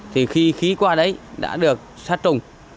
thì khí qua đấy đã được sát trùng